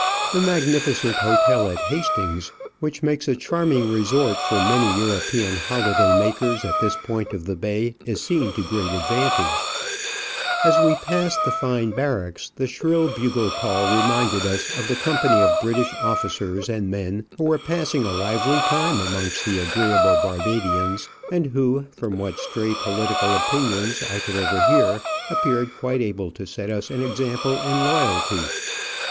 The magni ficent hotel at Hastings, which makes a charming resort for many European holiday makers, at this point of the bay is seen to great advantage. As TxC Digitized by V:iOOQIC Digitized by VjOOQIC 3 Digitized by VjOOQIC OF AN Orchid Hunter. II we passed the fine barracks, the shrill bugle call re minded us of the company of British officers and men who were pass ing a lively time amongst the agree able Barbadians, and who, from what stray political opinions I could overhear, appeared quite able to set us an exam ple in loyalty.